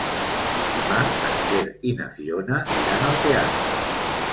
Dimarts en Quer i na Fiona iran al teatre.